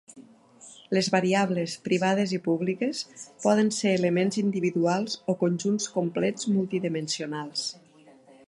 Les variables, privades i públiques, poden ser elements individuals o conjunts complets multidimensionals.